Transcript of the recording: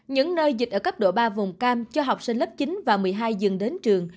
những nơi dịch ở cấp độ ba vùng cam cho học sinh lớp chín và một mươi hai dừng đến trường